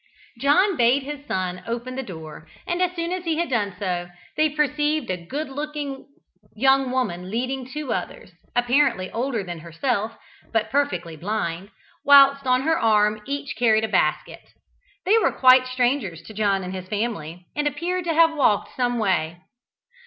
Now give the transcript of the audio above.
John bade his son open the door, and as soon as he had done so, they perceived a good looking young woman leading two others, apparently older than herself, but perfectly blind, whilst on her arm each carried a basket. They were quite strangers to John and his family, and appeared to have walked some way.